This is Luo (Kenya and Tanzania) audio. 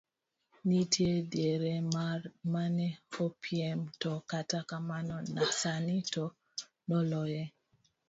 Nitie diere mane opiem to kata kamano sani to noloye.